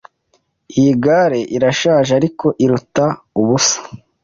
Iyi gare irashaje, ariko iruta ubusa.